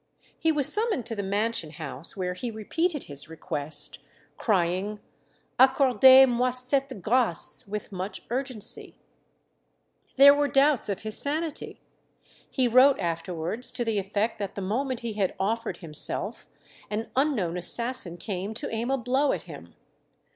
He was summoned to the Mansion House, where he repeated his request, crying, "Accordez moi cette grâce," with much urgency. There were doubts of his sanity. He wrote afterwards to the effect that the moment he had offered himself, an unknown assassin came to aim a blow at him.